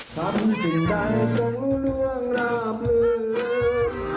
สันสินใดตรงรู่ร่วงราบลือ